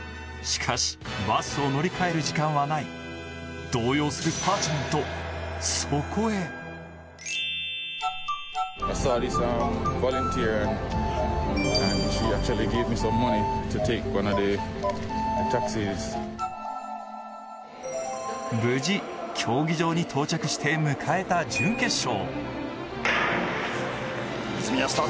しかし、バスを乗り換える時間はない、動揺するパーチメント、そこへ無事、競技場に到着して迎えた準決勝。